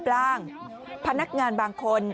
กลางพนักงานบางคน